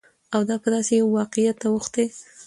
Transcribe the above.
او دا په داسې يوه واقعيت اوښتى،